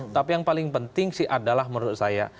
tapi yang paling penting sih adalah menurut saya